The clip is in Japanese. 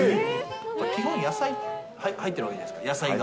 基本、野菜入っているわけじゃないですか、野菜が。